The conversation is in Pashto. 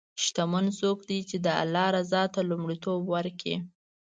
شتمن څوک دی چې د الله رضا ته لومړیتوب ورکوي.